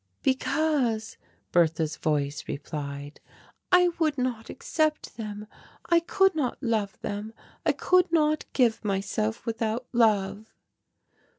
"Because," Bertha's voice replied, "I would not accept them. I could not love them. I could not give myself without love."